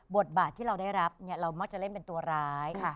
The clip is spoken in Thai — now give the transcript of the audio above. บทบาทที่เราได้รับเรามักจะเล่นเป็นตัวร้าย